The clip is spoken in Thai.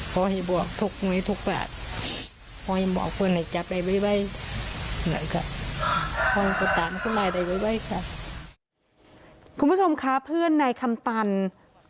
คุณผู้ชมคะเพื่อนนายคำตัน